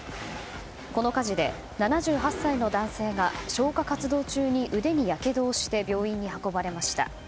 この火事で、７８歳の男性が消火活動中に腕にやけどをして病院に運ばれました。